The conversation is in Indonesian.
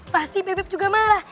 pasti bebe juga marah